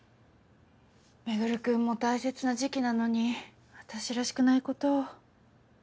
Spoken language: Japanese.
周君も大切な時期なのに私らしくないことを。